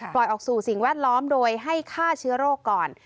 ปล่อยออกสู่สิ่งแวดล้อมโดยให้ฆ่าเชื้อโรคก่อน